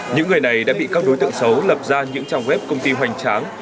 những người này đã bị các đối tượng xấu lập ra những trang web công ty hoành tráng